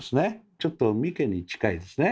ちょっと三毛に近いですね。